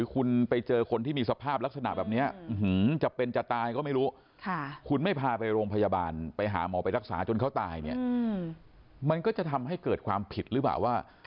คุณผ่ยช่วยทุกคนหมายถึงความผิดหรือเปล่า